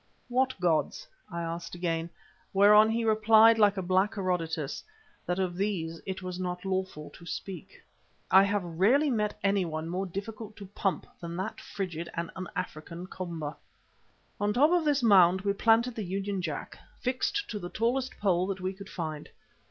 "What gods?" I asked again, whereon he replied like a black Herodotus, that of these it was not lawful to speak. I have rarely met anyone more difficult to pump than that frigid and un African Komba. On the top of this mound we planted the Union Jack, fixed to the tallest pole that we could find.